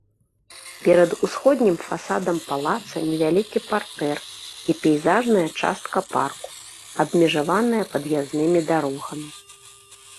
Перад усходнім фасадам палаца невялікі партэр і пейзажная частка парку, абмежаваная пад'язнымі дарогамі.